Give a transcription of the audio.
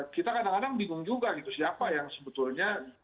kita kadang kadang bingung juga gitu siapa yang sebetulnya